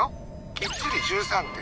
きっちり１３．５度！